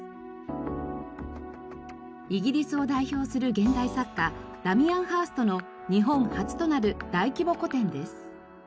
イギリスを代表する現代作家ダミアン・ハーストの日本初となる大規模個展です。